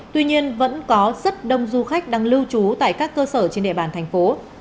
tuy nhiên vẫn có rất đông du khách đang lưu trú tại các cơ sở trên địa bàn thành phố